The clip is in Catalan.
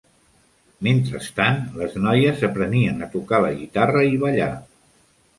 Mentrestant, les noies aprenien a tocar la guitarra i ballar.